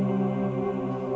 tentang apa yang terjadi